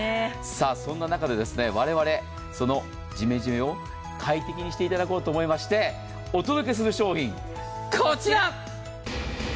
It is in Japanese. そんな中でわれわれ、そのジメジメを快適にしていただこうとお届けする商品、こちら。